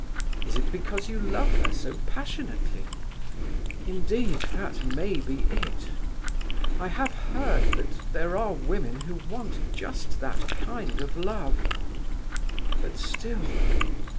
Is it because you love her so passionately? Indeed, that may be it. I have heard that there are women who want just that kind of love... but still..."